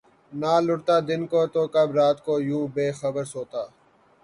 نہ لٹتا دن کو‘ تو کب رات کو یوں بے خبر سوتا!